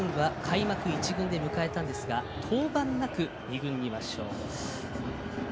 今シーズンは開幕１軍で迎えたんですが登板なく２軍に末梢。